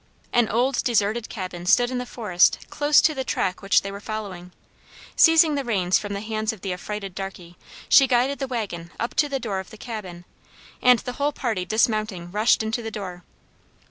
An old deserted cabin stood in the forest close to the track which they were following. Seizing the reins from the hands of the affrighted darkey, she guided the wagon up to the door of the cabin, and the whole party dismounting rushed into the door.